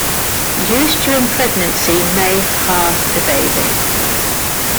Use during pregnancy may harm the baby.